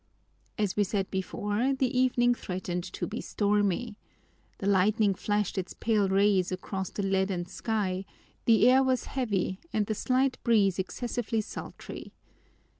As we said before, the evening threatened to be stormy. The lightning flashed its pale rays across the leaden sky, the air was heavy and the slight breeze excessively sultry.